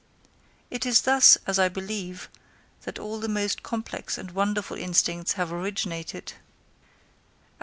It is thus, as I believe, that all the most complex and wonderful instincts have originated.